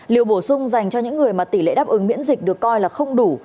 liều bổ sung dành cho những người mà tỷ lệ đáp ứng miễn dịch được coi là không đủ